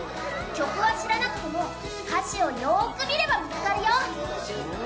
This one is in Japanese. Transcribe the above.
曲は知らなくても、歌詞をよく見れば見つかるよ。